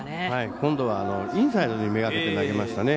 今度はインサイドめがけて投げましたね。